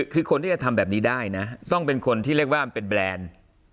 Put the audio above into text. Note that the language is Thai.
คือคนที่จะทำแบบนี้ได้นะต้องเป็นคนที่เรียกว่ามันเป็นแบรนด์